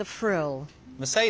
はい。